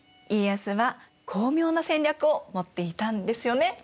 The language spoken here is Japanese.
家康は巧妙な戦略を持っていたんですよね？